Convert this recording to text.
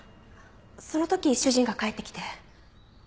その時主人が帰ってきて。